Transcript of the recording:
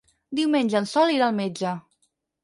Diumenge en Sol irà al metge.